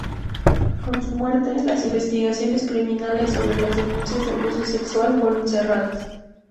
Con su muerte, las investigaciones criminales sobre las denuncias de abuso sexual fueron cerradas.